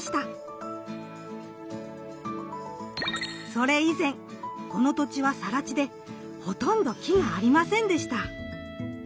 それ以前この土地はさら地でほとんど木がありませんでした。